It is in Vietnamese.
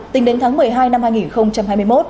tính đến tháng một mươi hai năm hai nghìn hai mươi một